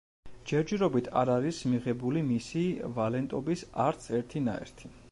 ჯერჯერობით არ არის მიღებული მისი ვალენტობის არც ერთი ნაერთი.